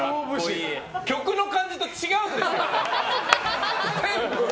曲の感じと違うんですよ！